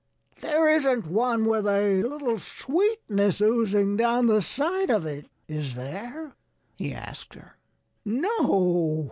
"There isn't one with a little sweetness oozing down the side of it, is there?" he asked her. "No!"